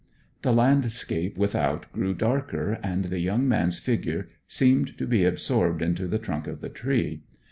The landscape without grew darker, and the young man's figure seemed to be absorbed into the trunk of the tree.